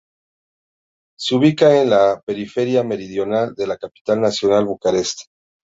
Se ubica en la periferia meridional de la capital nacional Bucarest.